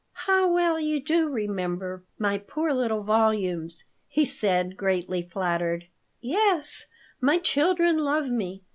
"How well you do remember my poor little volumes," he said, greatly flattered. "Yes, 'My children love me.'